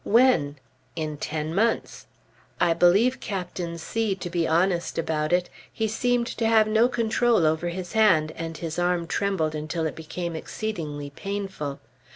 When? In ten months. I believe Captain C to be honest about it. He seemed to have no control over his hand, and his arm trembled until it became exceedingly painful.